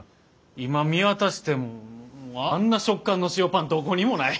今見渡してもあんな食感の塩パンどこにもない。